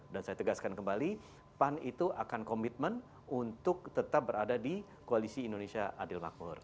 dan saya tegaskan kembali pan itu akan komitmen untuk tetap berada di koalisi indonesia adil makmur